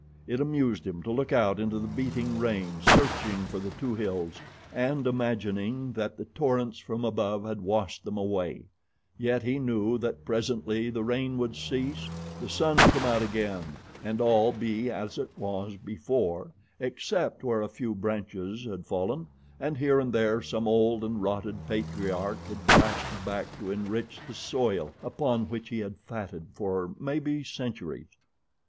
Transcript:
It amused him to look out into the beating rain, searching for the two hills and imagining that the torrents from above had washed them away, yet he knew that presently the rain would cease, the sun come out again and all be as it was before, except where a few branches had fallen and here and there some old and rotted patriarch had crashed back to enrich the soil upon which he had fatted for, maybe, centuries.